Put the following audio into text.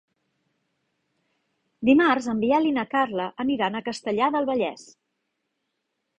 Dimarts en Biel i na Carla aniran a Castellar del Vallès.